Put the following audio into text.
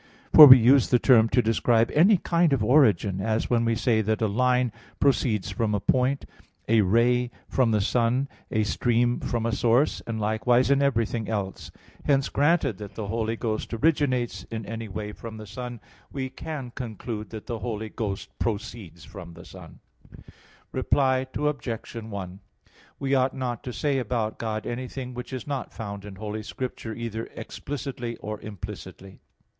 For we use the term to describe any kind of origin; as when we say that a line proceeds from a point, a ray from the sun, a stream from a source, and likewise in everything else. Hence, granted that the Holy Ghost originates in any way from the Son, we can conclude that the Holy Ghost proceeds from the Son. Reply Obj. 1: We ought not to say about God anything which is not found in Holy Scripture either explicitly or implicitly.